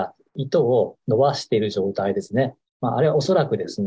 あれはおそらくですね